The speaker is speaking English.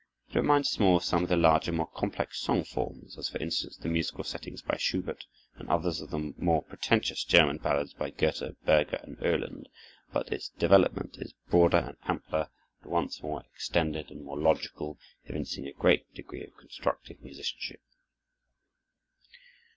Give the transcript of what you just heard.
It reminds us more of some of the larger, more complex song forms, as, for instance, the musical settings by Schubert and others of the more pretentious German ballads by Goethe, Berger, and Uhland; but its development is broader and ampler, at once more extended and more logical, evincing a greater degree of constructive musicianship.